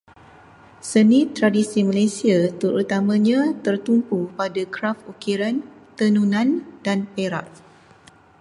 Seni tradisi Malaysia terutamanya tertumpu pada kraf ukiran, tenunan, dan perak.